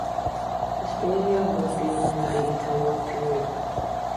The stadium was built in the interwar period.